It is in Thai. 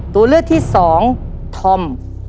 ตัวเลือดที่๒ธรรม